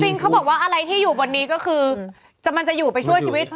จริงเขาบอกว่าอะไรที่อยู่บนนี้ก็คือมันจะอยู่ไปชั่วชีวิต